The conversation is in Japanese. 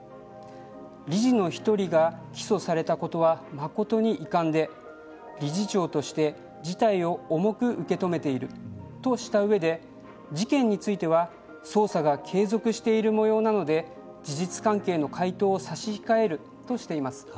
理事の１人が起訴されたことは誠に遺憾で理事長として事態を重く受け止めているとした上で事件については捜査が継続しているもようなので事実関係の回答を差し控えるとしています。